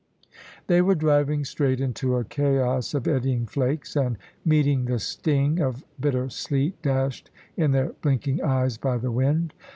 They were driving straight into a chaos of eddying flakes, and meeting the sting of bitter sleet dashed in their blinking eyes by the wind.